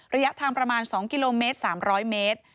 ระยะทางประมาณ๒กิโลเมตร๓๐๐เมตร